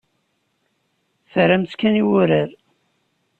Terram-tt kan i wurar.